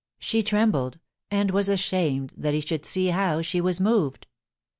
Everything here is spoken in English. She trembled, and was ashamed that he should see how she was moved.